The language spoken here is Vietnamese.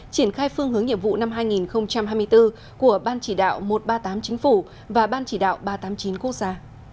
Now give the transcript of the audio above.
triển khai phương hướng nhiệm vụ năm hai nghìn hai mươi bốn của ban chỉ đạo một trăm ba mươi tám chính phủ và ban chỉ đạo ba trăm tám mươi chín quốc gia